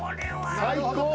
最高。